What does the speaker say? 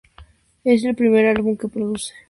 Es el primer álbum que produce Carlos Raya para M Clan.